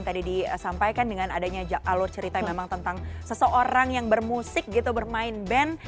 tadi disampaikan dengan alur cerita karena hanya tentang seseorang bermusik bermain band